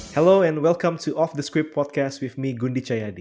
halo dan selamat datang di off the script podcast bersama saya gundi cayadi